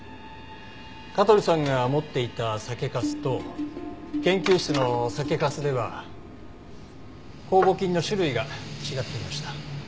香取さんが持っていた酒粕と研究室の酒粕では酵母菌の種類が違っていました。